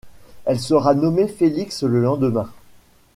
Elle sera nommée Félix le lendemain.